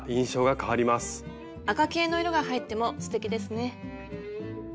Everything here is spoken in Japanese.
赤系の色が入ってもすてきですね。